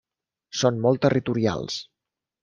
Són molt territorials.